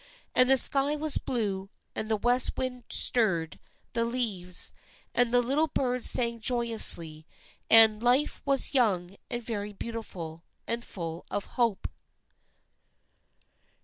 And the sky was blue, and the west wind stirred the leaves, and the little birds sang joyously, and life was young, and very beautiful, and full of hope.